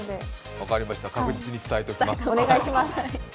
分かりました、確実に伝えておきます。